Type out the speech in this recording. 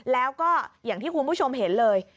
แล้วก็อย่างที่คุณผู้ชมเห็นเลย